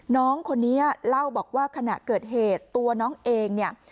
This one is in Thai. น้องคนนี้เล่าบอกว่าขณะเกิดเหตุตัวน้องเองเนี่ย